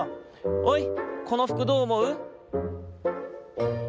おいこのふくどうおもう？